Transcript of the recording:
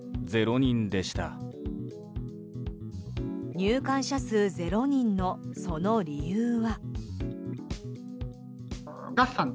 入館者数０人のその理由は。